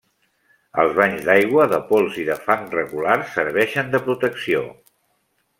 Els banys d’aigua, de pols i de fang regulars serveixen de protecció.